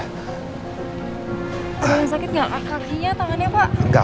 kamu sakit gak kakinya tangannya pak